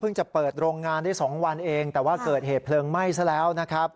จะเปิดโรงงานได้๒วันเองแต่ว่าเกิดเหตุเพลิงไหม้ซะแล้วนะครับ